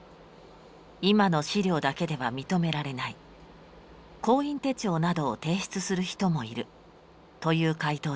今の資料だけでは認められない工員手帳などを提出する人もいるという回答でした。